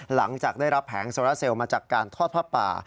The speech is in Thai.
หลังจากได้รับแผงโซราเซลมาจากการทอดผ้าป่า